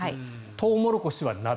トウモロコシは鍋。